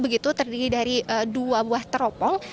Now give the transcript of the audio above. begitu terdiri dari dua buah teropong